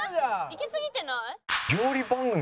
行きすぎてない？